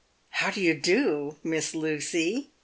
" How do you do, Miss Lucy